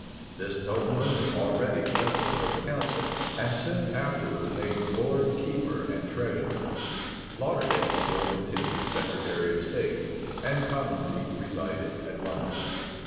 This nobleman was already president of the council; and soon after was made lord keeper and treasurer. Lauderdale still continued secretary of state, and commonly resided at London.